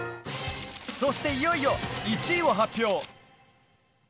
そしていよいよ１位を発表。